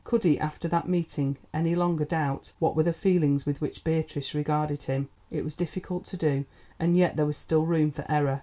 Could he, after that meeting, any longer doubt what were the feelings with which Beatrice regarded him? It was difficult to so, and yet there was still room for error.